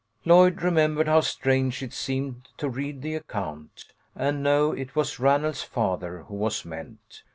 Lloyd remembered how strange it seemed to read the account, and know it was Ranald's father who was meant.